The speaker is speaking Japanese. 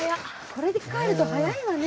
これで帰ると早いわね。